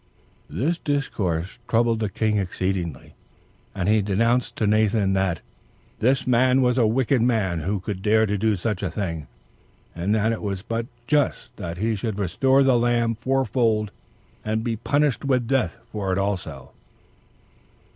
This discourse troubled the king exceedingly; and he denounced to Nathan, that "this man was a wicked man who could dare to do such a thing; and that it was but just that he should restore the lamb fourfold, and be punished with death for it also."